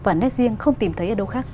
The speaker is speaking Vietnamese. và nét riêng không tìm thấy ở đâu khác